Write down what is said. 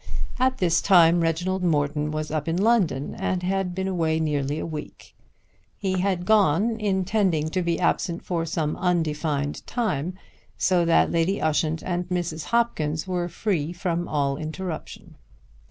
At this time Reginald Morton was up in London and had been away nearly a week. He had gone intending to be absent for some undefined time, so that Lady Ushant and Mrs. Hopkins were free from all interruption.